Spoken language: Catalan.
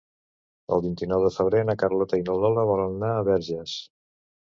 El vint-i-nou de febrer na Carlota i na Lola volen anar a Verges.